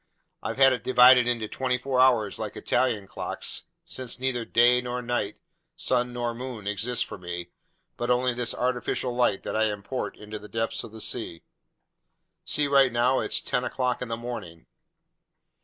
I've had it divided into twenty four hours like Italian clocks, since neither day nor night, sun nor moon, exist for me, but only this artificial light that I import into the depths of the seas! See, right now it's ten o'clock in the morning."